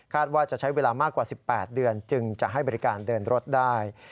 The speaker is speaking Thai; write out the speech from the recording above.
ว่าจะใช้เวลามากกว่า๑๘เดือนจึงจะให้บริการเดินรถได้